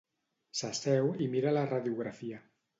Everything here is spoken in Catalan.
S'asseu i mira la radiografia.